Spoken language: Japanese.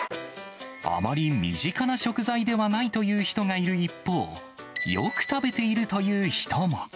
あまり身近な食材ではないという人がいる一方、よく食べているという人も。